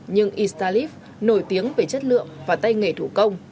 nhưng iztalip nổi tiếng về chất lượng và tay nghề thủ công